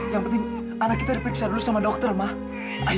kembali juga hidup padam roland oll komabel